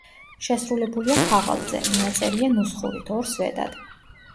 შესრულებულია ქაღალდზე, ნაწერია ნუსხურით ორ სვეტად.